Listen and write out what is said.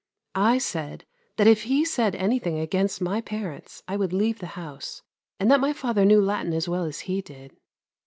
I said that if he said anything against my parents, I would leave the house, and that my father knew Latin as well as he did.